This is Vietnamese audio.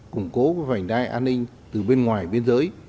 củng cố với vành đai an ninh từ bên ngoài bên dưới